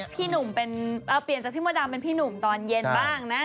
เปลี่ยนจากพี่มดดำเป็นพี่หนุ่มตอนเย็นบ้างนะ